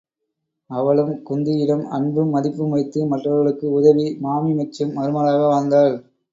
அவளும் குந்தி யிடம் அன்பும் மதிப்பும் வைத்து மற்றவர்களுக்கு உதவி மாமி மெச்சும் மருமகளாக வாழ்ந்தாள்.